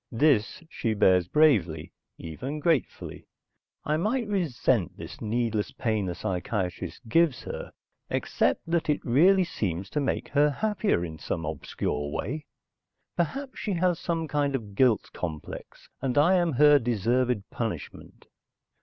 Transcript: This she bears bravely, even gratefully. I might resent this needless pain the psychiatrist gives her, except that it really seems to make her happier in some obscure way. Perhaps she has some kind of guilt complex, and I am her deserved punishment?